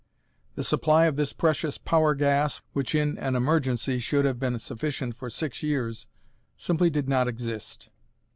The supply of this precious power gas, which in an emergency should have been sufficient for six years, simply did not exist.